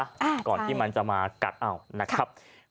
ก่อนที่มันจะมากัดเอานะครับ